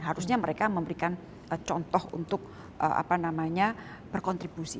harusnya mereka memberikan contoh untuk apa namanya berkontribusi